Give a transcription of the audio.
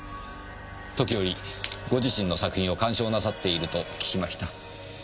時折ご自身の作品を鑑賞なさっていると聞きました。